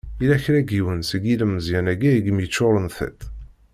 Yella kra n yiwen seg yilemẓyen-agi i m-yeččuren tiṭ?